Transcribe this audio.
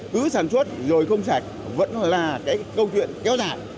cứ sản xuất rồi không sạch vẫn là cái câu chuyện kéo dài